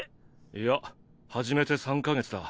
いや始めて３か月だ。